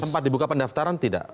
sempat dibuka pendaftaran tidak